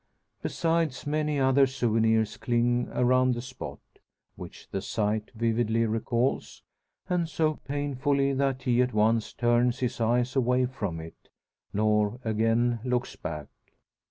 Besides, many other souvenirs cling around the spot, which the sight vividly recalls; and so painfully that he at once turns his eyes away from it, nor again looks back.